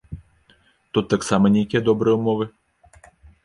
Тут таксама нейкія добрыя ўмовы?